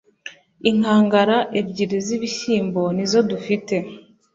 inkangara ebyiri zibishyimbo nizo dufite